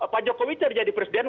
pak joko widodo jadi presiden